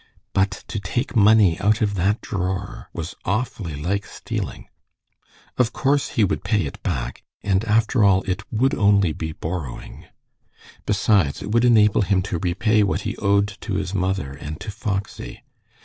But to take money out of that drawer was awfully like stealing. Of course he would pay it back, and after all it would only be borrowing. Besides, it would enable him to repay what he owed to his mother and to Foxy.